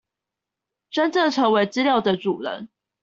真正成為資料的主人